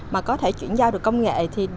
mà có thể chuyển giao được công nghệ